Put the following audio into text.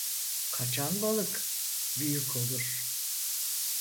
Kaçan balık büyük olur.